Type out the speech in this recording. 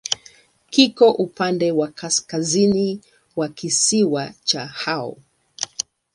Kiko upande wa kaskazini wa kisiwa cha Hao.